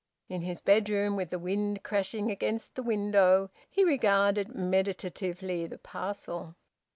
In his bedroom, with the wind crashing against the window, he regarded meditatively the parcel.